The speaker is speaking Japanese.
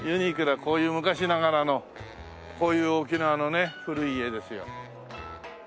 こういう昔ながらのこういう沖縄のね古い家ですよ。